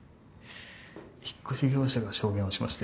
引っ越し業者が証言をしまして。